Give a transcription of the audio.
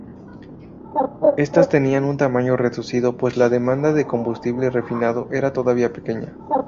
Estas tenían un tamaño reducido pues la demanda de combustible refinado era todavía pequeña.